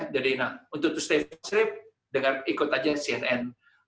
jadi untuk tetap kesehatan ikut aja cnn